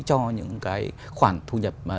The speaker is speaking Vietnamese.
cho những cái khoản thu nhập